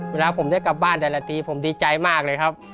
เวลาผมได้กลับบ้านแต่ละทีผมดีใจมากเลยครับ